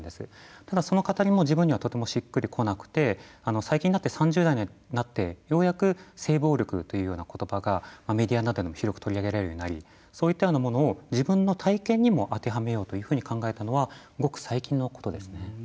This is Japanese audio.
ただ、その語りも自分にはしっくりこなくて最近になって３０代になってようやく性暴力というようなことばがメディアの中でも広く取り上げられるようになりそういったようなものを自分の体験にも当てはめようと考えたのはごく最近のことですね。